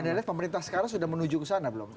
anda lihat pemerintah sekarang sudah menuju ke sana belum